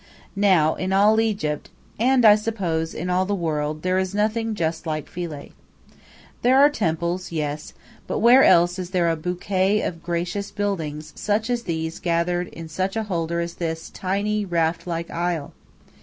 Now, in all Egypt, and I suppose in all the world there is nothing just like Philae. There are temples, yes; but where else is there a bouquet of gracious buildings such as these gathered in such a holder as this tiny, raft like isle?